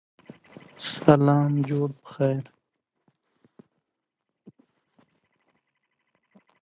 د ورزش سپارښتنه د هرو کسانو لپاره اړینه ده.